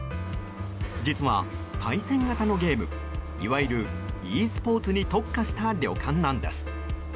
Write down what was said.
実は、対戦型のゲームいわゆるｅスポーツに特化した旅館なんです。